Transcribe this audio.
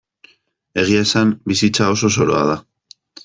Egia esan, bizitza oso zoroa da.